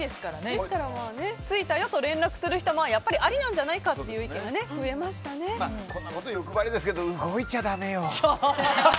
着いたよと連絡する人ありなんじゃないかという意見がこんなこと言うと欲張りですけど動いちゃだめよ。